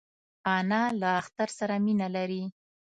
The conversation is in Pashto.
انا له اختر سره مینه لري